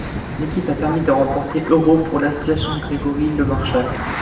L'équipe a permis de remporter euros pour l'association Grégory Lemarchal.